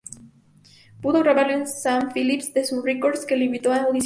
Pudo grabarlo a Sam Phillips de Sun Records, que lo invitó a audicionar.